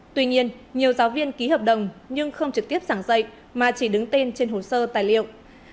tuy nhiên nhiều giáo viên ký hợp đồng nhưng không trực tiếp giảng dạy mà chỉ đứng tên trên hồ sơ tài liệu